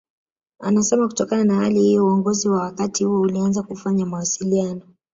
Anasema kutokana na hali hiyo uongozi wa wakati huo ulianza kufanya mawasiliano